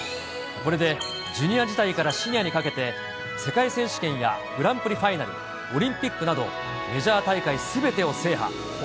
これでジュニア時代からシニアにかけて、世界選手権やグランプリファイナル、オリンピックなど、メジャー大会すべてを制覇。